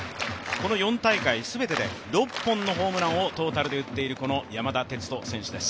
この４大会すべてで６本のホームランをトータルで打っている山田哲人選手です。